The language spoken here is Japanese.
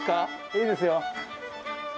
いいですよ。